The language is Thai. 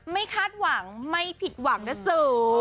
ไม่คาดหวังไม่ผิดหวังดัสสุ